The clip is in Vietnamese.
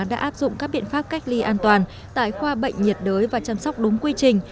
đã áp dụng các biện pháp cách ly an toàn tại khoa bệnh nhiệt đới và chăm sóc đúng quy trình